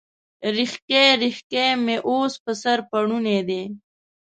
ریښکۍ، ریښکۍ مې اوس، په سر پوړني دی